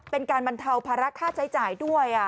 เป็นการบรรเทาภาระค่าใช้จ่ายด้วย